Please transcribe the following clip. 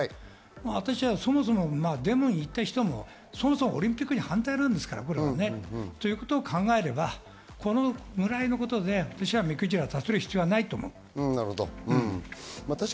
私はそもそもデモに行った人もそもそもオリンピックに反対なんですから。ということを考えれば、このぐらいのことで目くじら立てる必要はないと私は思う。